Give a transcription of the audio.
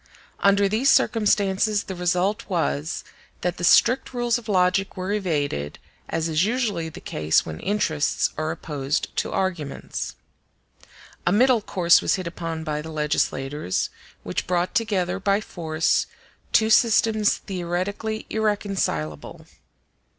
Under these circumstances the result was, that the strict rules of logic were evaded, as is usually the case when interests are opposed to arguments. A middle course was hit upon by the legislators, which brought together by force two systems theoretically irreconcilable.